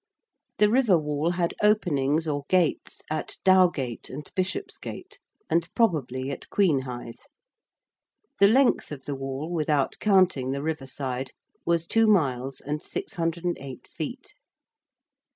The river wall had openings or gates at Dowgate and Bishopsgate, and probably at Queen Hithe. The length of the Wall, without counting the river side, was 2 miles and 608 feet.